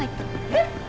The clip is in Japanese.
えっ！？